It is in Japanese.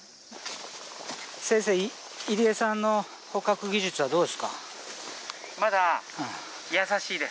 先生入江さんの捕獲技術はどうですか？